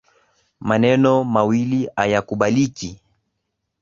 Maneno mawili hayakubaliki.